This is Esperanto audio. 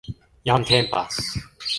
Jam tempas